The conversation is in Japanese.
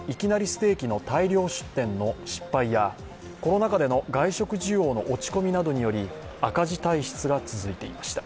ステーキの大量出店の失敗やコロナ禍での外食需要の落ち込みなどにより赤字体質が続いていました。